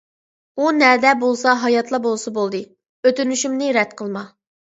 ئۇ نەدە بولسا ھاياتلا بولسا بولدى. ئۆتۈنۈشۈمنى رەت قىلما.